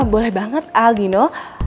boleh banget aldino